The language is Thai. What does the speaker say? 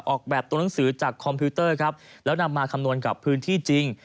ออกแบบตัวหนังสือจากคอมพิวเตอร์ครับแล้วนำมาคำนวณกับพื้นที่จริง